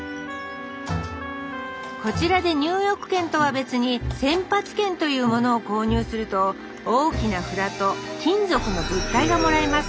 こちらで入浴券とは別に「洗髪券」というものを購入すると大きな札と金属の物体がもらえます。